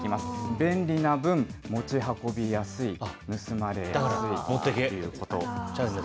便利な分、持ち運びやすい、盗まれやすいということなんですね。